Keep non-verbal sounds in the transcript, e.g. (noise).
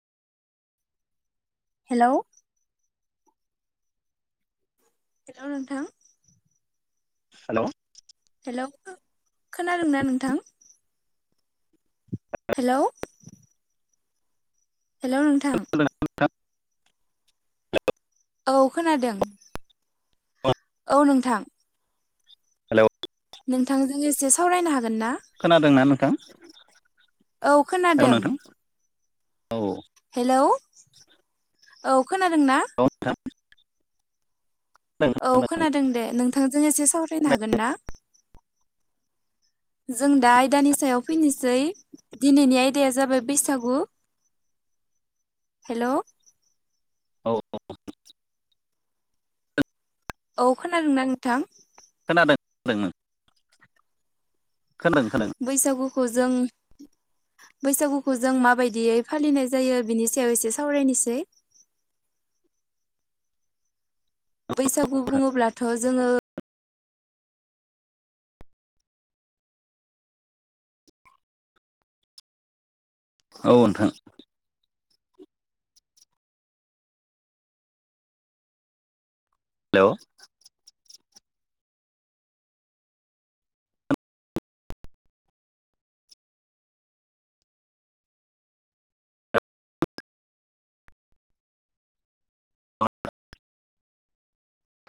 हेलै। हेल' नोंथां। Hello. Hello खोनादोंना नोंथां? (unintelligible) हेलै। हेलौ नोंथां खोनादों ना नोंथां। औ खोनादों। औ नोंथां। हेलै। नोंथांजों एसे सावरायनो हागोन ना? खोनादोंना नोंथां औ नोंथां औ। हेलौ औ खोनादों ना? औ नोंथां। औ खोनादों दे नोंथांजों एसे सावरायनो हागोन ना? जों दा आयदानि सायाव फैनोसै। दिनैनि आयदाया जाबाय बैसागु हेल'। औ (inaudible) औ खोनादोंना नोंथां? खोनादों (unintelligible) बैसागुखौ जों। बैसागुखौ जों माबायदियै फालिनाय जायो बिनि सायाव इसे सावरायनोसै। बैसागु बुङोब्लाथ' जोङो। औ नोंथां। हेल'। (unintelligible)